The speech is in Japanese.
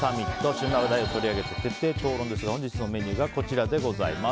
旬な話題を取り上げて徹底討論ですが本日のメニューがこちらです。